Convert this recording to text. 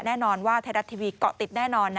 แน่นอนว่าไทยรัฐทีวีเกาะติดแน่นอน